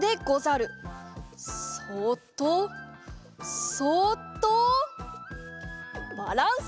そっとそっとバランス！